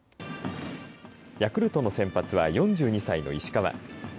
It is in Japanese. ヤクルトの先発は４２歳の石川。